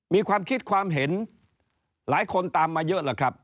มีความคิดความเห็นหลายคนตามมาเยอะแหละครับ